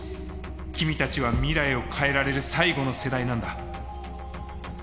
君たちは未来を変えられる最後の世代なんだ。